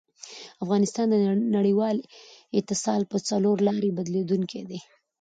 افغانستان د نړیوال اتصال په څلورلاري بدلېدونکی دی.